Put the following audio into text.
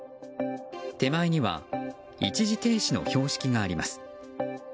手前には一時停止の標識があります。